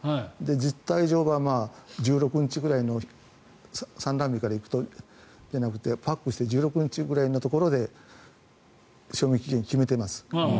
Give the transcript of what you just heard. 実態上は１６日くらいの産卵日からいくとパックして１６日くらいのところで賞味期限を決めています。